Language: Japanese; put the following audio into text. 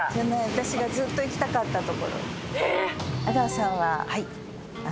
私がずっと行きたかった所。